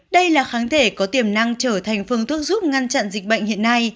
đây là kháng thể có tiềm năng trở thành phương thức giúp ngăn chặn dịch bệnh hiện nay